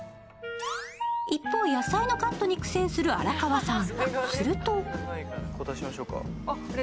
一方、野菜のカットに苦戦する荒川さん。